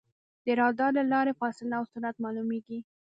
د رادار له لارې فاصله او سرعت معلومېږي.